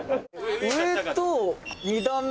「上と２段目」